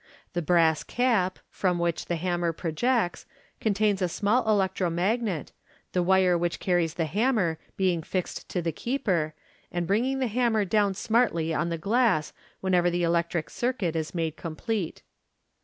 The brass cap. from which the hammer projects, contains a small electro magnet, the wire which carries the hammer being fixed to the keeper, and bringing the hammer down smartly on the glass whenever the electric circuit is made complete.